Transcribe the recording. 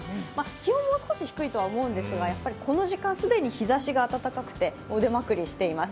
気温もう少し低いとは思うんですが、この時間、既に日ざしが温かくて、腕まくりしています。